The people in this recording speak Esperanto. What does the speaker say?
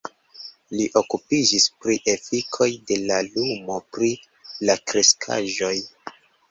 Li okupiĝis pri efikoj de la lumo pri la kreskaĵoj.